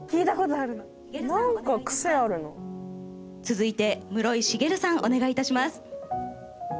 続いて室井滋さんお願い致します。